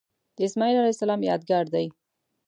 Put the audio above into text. د اسمیل علیه السلام یادګار دی.